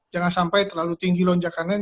jangan sampai terlalu tinggi lonjakan kanan